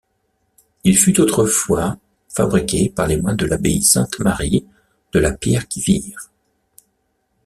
Il fut autre fois fabriqué par les moines de l'Abbaye Sainte-Marie de la Pierre-qui-Vire.